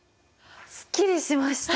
すっきりしました！